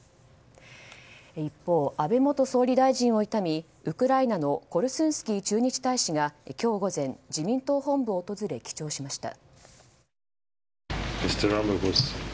一方、安倍元総理大臣を悼みウクライナのコルスンスキー駐日大使が今日午前自民党本部を訪れ記帳しました。